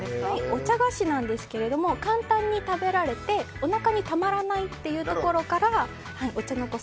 お茶菓子なんですが簡単に食べられておなかにたまらないというところからお茶の子